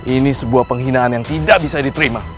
ini sebuah penghinaan yang tidak bisa diterima